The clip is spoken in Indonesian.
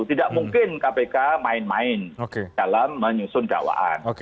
tidak mungkin kpk main main dalam menyusun dakwaan